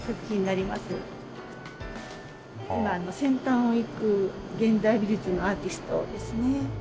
今先端を行く現代美術のアーティストですね。